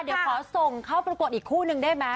เดี๋ยวขอส่งเขาปรากฏอีกคู่หนึ่งได้มั้ย